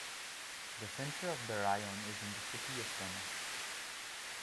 The center of the raion is in the city of Donetsk.